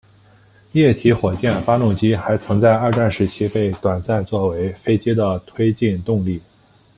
液体火箭发动机还曾在二战时期被短暂作为飞机的推进动力。